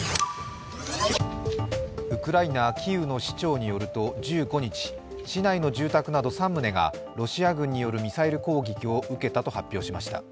ウクライナキーウの市長によると、１５日、市内の住宅など３棟がロシア軍によるミサイル攻撃を受けたと発表しました。